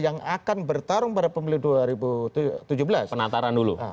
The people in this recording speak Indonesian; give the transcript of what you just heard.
yang akan bertarung pada pemilih dua ribu tujuh belas